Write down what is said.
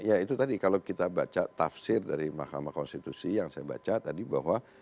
ya itu tadi kalau kita baca tafsir dari mahkamah konstitusi yang saya baca tadi bahwa